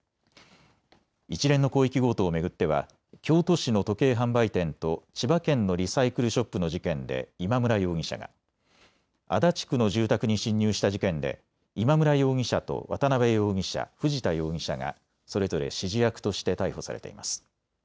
一連の広域強盗を巡っては京都市の時計販売店と千葉県のリサイクルショップの事件で今村容疑者が、足立区の住宅に侵入した事件で今村容疑者と渡邉容疑者、藤田容疑者がそれぞれ指示役として逮捕されています。